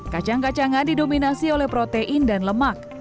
kacang kacangan didominasi oleh protein dan lemak